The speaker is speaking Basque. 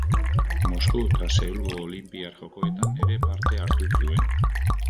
Mosku eta Seulgo Olinpiar Jokoetan ere parte hartu zuen.